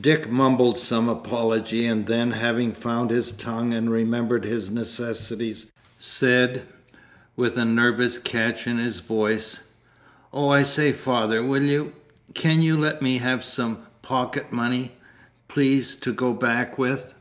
Dick mumbled some apology, and then, having found his tongue and remembered his necessities, said, with a nervous catch in his voice, "Oh, I say, father, will you can you let me have some pocket money, please, to go back with?"